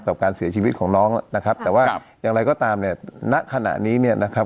กับการเสียชีวิตของน้องนะครับแต่ว่าอย่างไรก็ตามเนี่ยณขณะนี้เนี่ยนะครับ